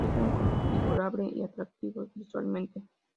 Es muy configurable y atractivo visualmente.